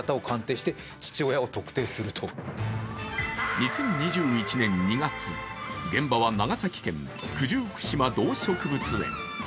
２０２１年２月、現場は長崎県九十九島動植物園。